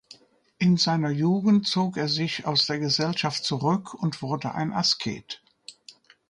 In seiner Jugend zog er sich aus der Gesellschaft zurück und wurde ein Asket.